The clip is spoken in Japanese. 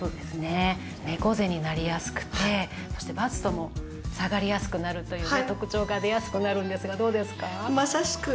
猫背になりやすくてバストも下がりやすくなるという特徴が出やすくなるんですがどうですか？